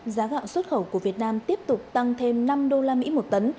giá gạo xuất khẩu của việt nam tiếp tục tăng thêm năm usd một tấn